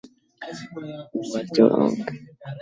Walter Ong.